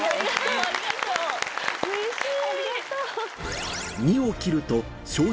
うれしい。